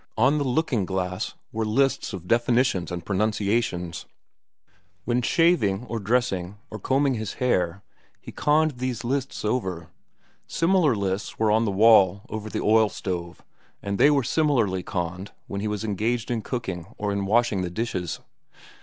On the looking glass were lists of definitions and pronunciations; when shaving, or dressing, or combing his hair, he conned these lists over. Similar lists were on the wall over the oil stove, and they were similarly conned while he was engaged in cooking or in washing the dishes.